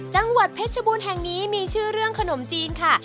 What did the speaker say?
จังหวัดเพชรบูรณ์แห่งนี้มีชื่อเรื่องขนมจีนค่ะ